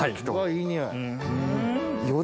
いい匂い。